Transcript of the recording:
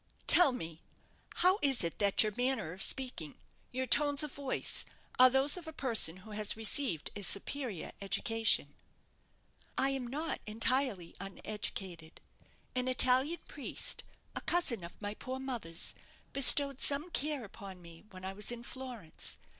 "Tell me, how is it that your manner of speaking, your tones of voice, are those of a person who has received a superior education?" "I am not entirely uneducated. An Italian priest, a cousin of my poor mother's, bestowed some care upon me when I was in Florence.